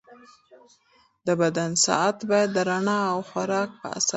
د بدن ساعت باید د رڼا او خوراک په اساس منظم وي.